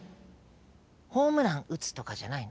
ホームラン打つとかじゃないの？